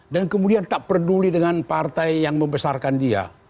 dan kemudian tak peduli dengan partai yang membesarkan dia